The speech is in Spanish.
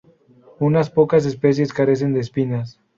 Unas pocas especies carecen de espinas.